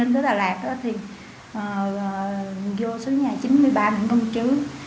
khi lên tới đà lạt thì vô số nhà chín mươi ba nguyện công chứ